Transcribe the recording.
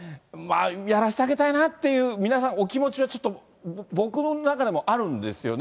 やらせてあげたいなっていう、皆さん、お気持ちはちょっと、僕の中でもあるんですよね。